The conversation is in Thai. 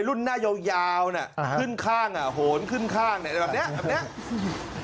รุ่นหน้าโยแยวขึ้นข้างโหนขึ้นข้างแบบนี้